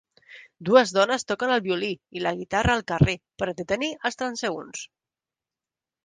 Dues dones toquen el violí i la guitarra al carrer per entretenir els transeünts.